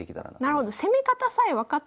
なるほど。